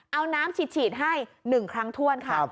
เอาน้ำฉีดให้๑ครั้งถ้วนค่ะ